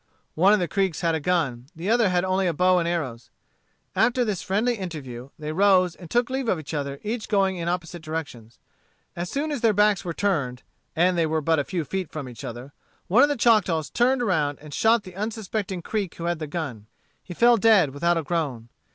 One of the Creeks had a gun. The other had only a bow and arrows. After this friendly interview, they rose and took leave of each other, each going in opposite directions. As soon as their backs were turned, and they were but a few feet from each other, one of the Choctaws turned around and shot the unsuspecting Creek who had the gun. He fell dead, without a groan.